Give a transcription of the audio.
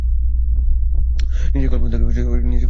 নিজের কল্পনা থেকে অনেক কিছু বলে।